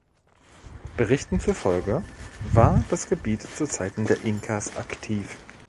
Berichten zufolge war das Gebiet zu Zeiten der Inkas aktiv.